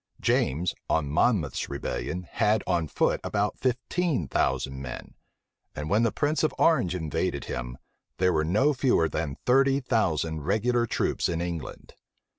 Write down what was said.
James, on Monmouth's rebellion, had on foot about fifteen thousand men; and when the prince of Orange invaded him, there were no fewer than thirty thousand regular troops in England.